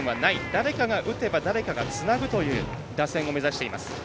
誰かが打てば誰かがつなぐという打線を目指しています。